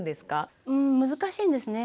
うん難しいんですね。